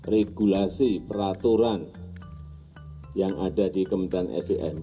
regulasi peraturan yang ada di kementerian sdm